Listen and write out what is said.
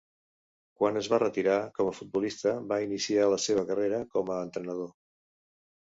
Quan es va retirar com a futbolista va iniciar la seva carrera com a entrenador.